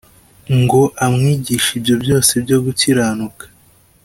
ngo amwigishe ibyo byose byo gukiranuka?